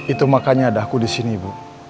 itu makanya ada aku di sini ibu